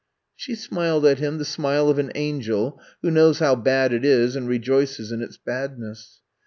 '' She smiled at him the smile of an angel who knows how bad it is and rejoices in its badness.